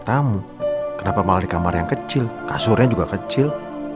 tamu kenapa malah di kamar yang kecil kasurnya juga kecil